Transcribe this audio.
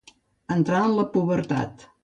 Entrar en la pubertat.